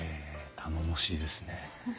頼もしいですね。